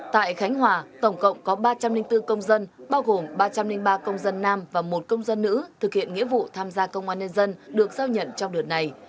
tại khánh hòa tổng cộng có ba trăm linh bốn công dân bao gồm ba trăm linh ba công dân nam và một công dân nữ thực hiện nghĩa vụ tham gia công an nhân dân được giao nhận trong đợt này